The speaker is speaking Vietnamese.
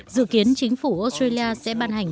dự kiến chính phủ australia sẽ ban hành